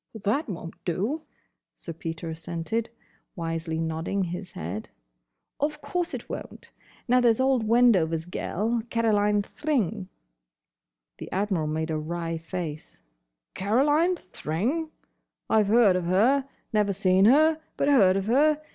"That won't do," Sir Peter assented, wisely nodding his head. "Of course it won't. Now, there's old Wendover's gel—Caroline Thring." [Illustration: CAROLINE THRING] The Admiral made a wry face. "Caroline Thring? I've heard of her. Never seen her: but heard of her.